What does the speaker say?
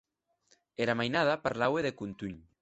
Era mainada parlaue de contunh.